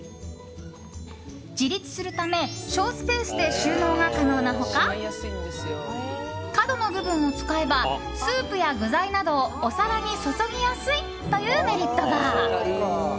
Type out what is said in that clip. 自立するため省スペースで収納が可能な他角の部分を使えばスープや具材などをお皿に注ぎやすいというメリットが。